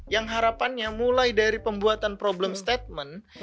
yang harapannya mulai dari pembuatan problem statement